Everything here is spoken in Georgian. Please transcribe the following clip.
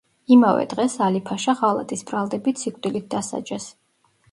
იმავე დღეს, ალი-ფაშა ღალატის ბრალდებით სიკვდილით დასაჯეს.